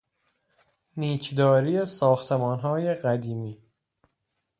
نیکداری ساختمانهای قدیمی